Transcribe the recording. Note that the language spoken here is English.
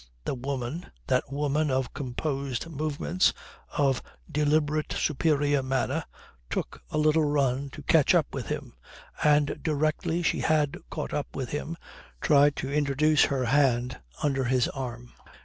The woman, that woman of composed movements, of deliberate superior manner, took a little run to catch up with him, and directly she had caught up with him tried to introduce her hand under his arm.